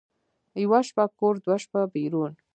یوه شپه کور، دوه شپه بېرون.